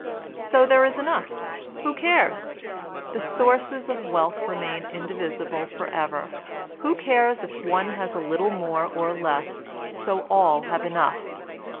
So there is enough, who cares? The sources of wealth remain indivisible forever; who cares if one has a little more or less, so all have enough